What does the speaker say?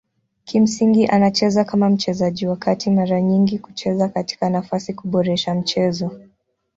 Kimsingi anacheza kama mchezaji wa kati mara nyingi kucheza katika nafasi kuboresha mchezo.